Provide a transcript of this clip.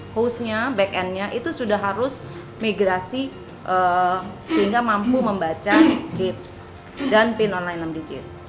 hostnya backendnya itu sudah harus migrasi sehingga mampu membaca chip dan pin online enam digit